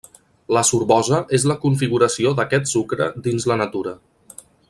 La -Sorbosa és la configuració d'aquest sucre dins la natura.